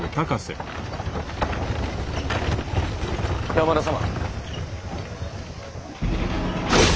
山田様。